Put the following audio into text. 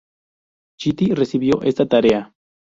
Chitty recibió esta tarea.